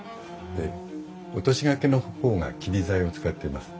で落とし掛けの方が桐材を使っています。